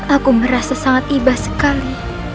aku merasa sangat ibah sekali